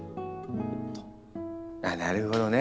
あっなるほどね。